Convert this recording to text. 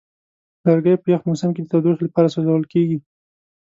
لرګی په یخ موسم کې د تودوخې لپاره سوځول کېږي.